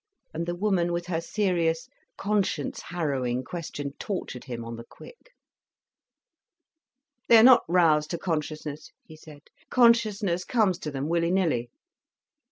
And the woman, with her serious, conscience harrowing question tortured him on the quick. "They are not roused to consciousness," he said. "Consciousness comes to them, willy nilly."